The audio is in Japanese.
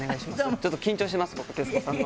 ちょっと緊張してます、徹子さんの。